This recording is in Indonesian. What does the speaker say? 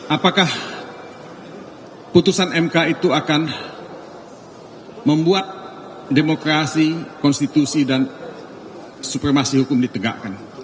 apakah putusan mk itu akan membuat demokrasi konstitusi dan supremasi hukum ditegakkan